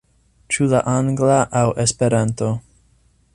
Ĉu la angla aŭ Esperanto?